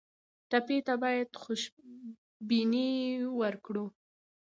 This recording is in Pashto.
ټپي ته باید خوشبیني ورکړو.